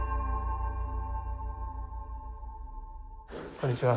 こんにちは。